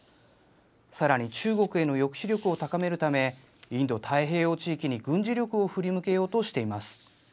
さらに中国への抑止力を高めるため、インド太平洋地域に軍事力を振り向けようとしています。